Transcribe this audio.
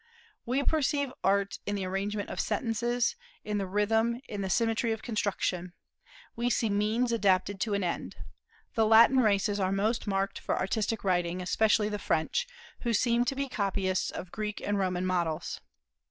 We perceive art in the arrangement of sentences, in the rhythm, in the symmetry of construction. We see means adapted to an end. The Latin races are most marked for artistic writing, especially the French, who seem to be copyists of Greek and Roman models.